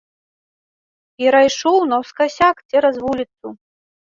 Перайшоў наўскасяк цераз вуліцу.